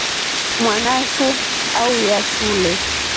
Mwanasu su auya shule.